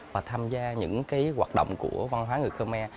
và tham gia những hoạt động của văn hóa người khmer